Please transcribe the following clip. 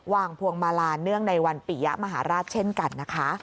พวงมาลาเนื่องในวันปียะมหาราชเช่นกันนะคะ